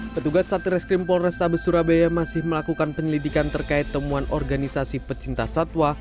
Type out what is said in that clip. ketugas satir eskrim polrestabes surabaya masih melakukan penyelidikan terkait temuan organisasi pecinta satwa